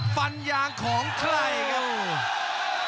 ฟันยางของใครครับ